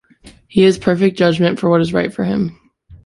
He has perfect judgment of what is right for him.